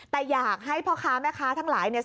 แต่อยากให้พ่อค้าแม่ค้าทั้งหลายเนี่ย